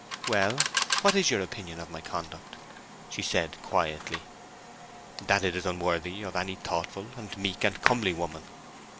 "Well, what is your opinion of my conduct," she said, quietly. "That it is unworthy of any thoughtful, and meek, and comely woman."